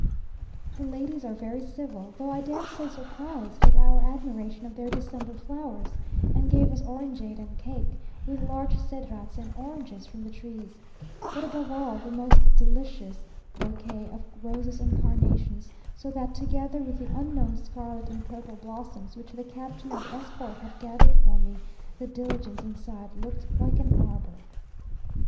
The ladies were very civil, though I dare say surprised at our admiration of their December flowers, and gave us orangeade and cake, with large cedrats and oranges from the trees; but above all, the most delicious bouquet of roses and carnations; so that, together with the unknown scarlet and purple blossoms which the captain of the escort had gathered for me, the diligence inside looked like an arbour.